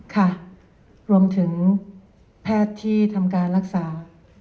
ค่ะรวมถึงแพทย์ที่ทำการรักษา